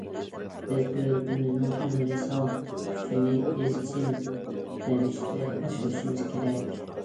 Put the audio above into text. بىز دۆلىتىمىزنىڭ ئۇنىۋېرسال كۈچىنى ئىزچىل رەۋىشتە ئاشۇرۇشىمىز كېرەك.